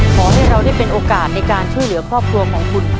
ขอให้เราได้เป็นโอกาสในการช่วยเหลือครอบครัวของคุณ